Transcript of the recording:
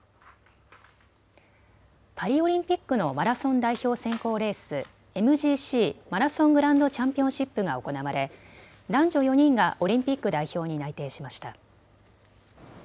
パリオリンピックのマラソン代表選考レース、ＭＧＣ・マラソングランドチャンピオンシップが行われ男女４人がオリンピック代表に内定しました。